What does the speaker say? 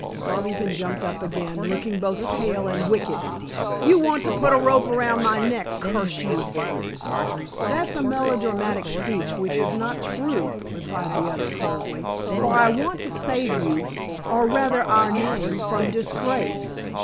Garvington jumped up again, looking both pale and wicked. "You want to put a rope round my neck, curse you." "That's a melodramatic speech which is not true," replied the other coldly. "For I want to save you, or, rather, our name, from disgrace.